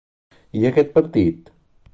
I aquest partit?